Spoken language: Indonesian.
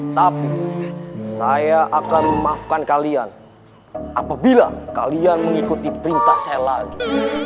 tapi saya akan memaafkan kalian apabila kalian mengikuti perintah saya lagi